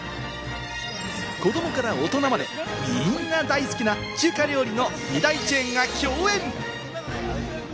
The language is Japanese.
子どもから大人まで、みんな大好きな中華料理の２大チェーンが共演！